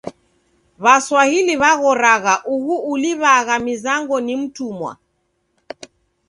W'aswahili w'aghoragha uhu uliw'agha mizango ni mtumwa!